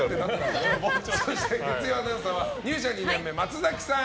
月曜アナウンサーは入社２年目、松崎さん。